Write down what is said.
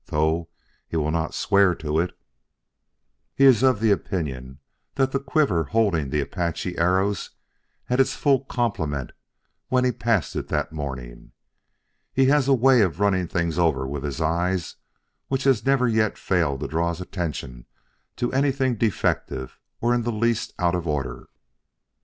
Though he will not swear to it, he is of the opinion that the quiver holding the Apache arrows had its full complement when he passed it that morning. He has a way of running things over with his eye which has never yet failed to draw his attention to anything defective or in the least out of order."